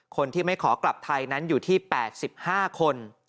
คนที่ไม่ขอกลับไทยนั้นอยู่ที่๘๕คน